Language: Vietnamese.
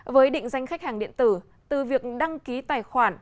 với định danh khách hàng điện tử từ việc đăng ký tài khoản